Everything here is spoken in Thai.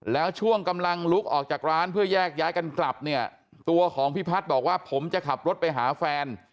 แล้วช่วงกำลังลุกออกจากร้านเพื่อแยกย้ายกันกลับเนี่ยตัวของพี่พัฒน์บอกว่าผมจะขับรถไปหาแฟน